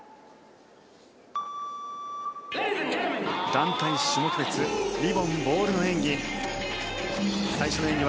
団体種目別リボン・ボールの演技